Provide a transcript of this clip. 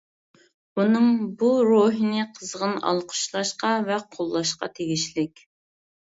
ئۇنىڭ بۇ روھىنى قىزغىن ئالقىشلاشقا ۋە قوللاشقا تېگىشلىك.